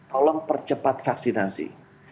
tolong percepat vaksinasi